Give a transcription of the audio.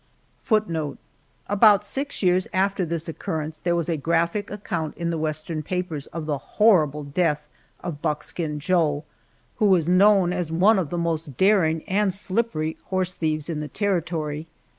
*About six years after this occurrence, there was a graphic account in the Western papers of the horrible death of "Buckskin Joe," who was known as one of the most daring and slippery horse thieves in the Territory.